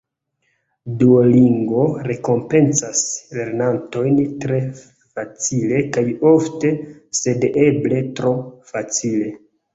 Duolingo rekompencas lernantojn tre facile kaj ofte, sed eble tro facile.